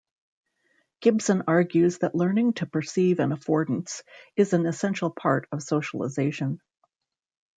Gibson argues that learning to perceive an affordance is an essential part of socialization.